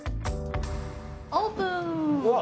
オープン。